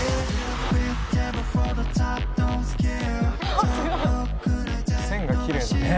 「あっすごい」「線がきれいなんです」